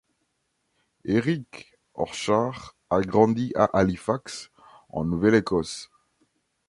Eric Orchard a grandi à Halifax en Nouvelle-Écosse.